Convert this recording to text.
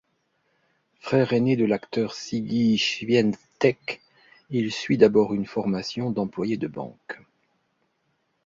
Frère aîné de l'acteur Siggi Schwientek, il suit d'abord une formation d'employé de banque.